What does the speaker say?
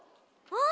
あ！